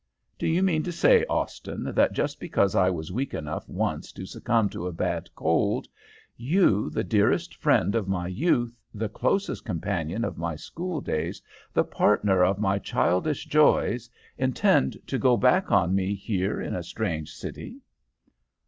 "'Do you mean to say, Austin, that just because I was weak enough once to succumb to a bad cold, you, the dearest friend of my youth, the closest companion of my school days, the partner of my childish joys, intend to go back on me here in a strange city?'